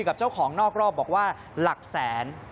บอกว่าหลักแสน